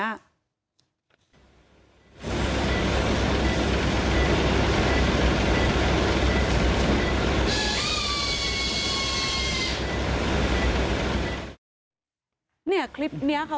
เหลือตอนไข้